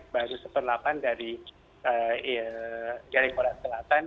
baru satu delapan dari korea selatan